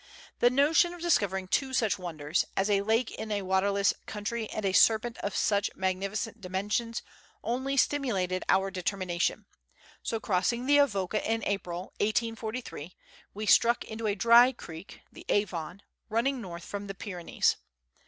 The notion of discovering two such wonders, as a lake in a waterless country and a serpent of such magnificent dimensions, only stimulated our determination ; so, crossing the Avoca in April, 1843, we struck into a dry creek (the Avon), running north from the Pyrenees.